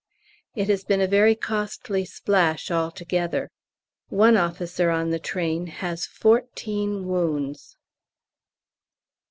It has been a very costly splash altogether. One officer on the train has fourteen wounds.